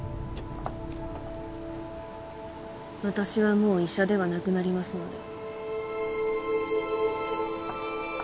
私はもう医者ではなくなりますので。